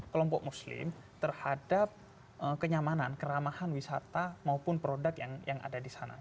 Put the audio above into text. kelompok muslim terhadap kenyamanan keramahan wisata maupun produk yang ada di sana